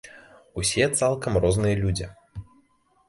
Усе цалкам розныя людзі.